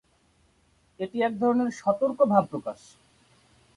এটি এক ধরনের সতর্ক ভাব প্রকাশ।